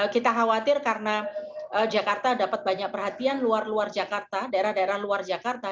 kita khawatir karena jakarta dapat banyak perhatian luar luar jakarta daerah daerah luar jakarta